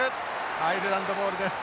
アイルランドボールです。